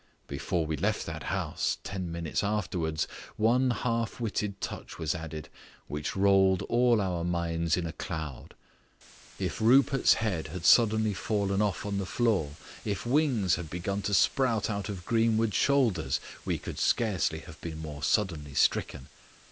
Before we left that house, ten minutes afterwards, one half witted touch was added which rolled all our minds in cloud. If Rupert's head had suddenly fallen off on the floor, if wings had begun to sprout out of Greenwood's shoulders, we could scarcely have been more suddenly stricken.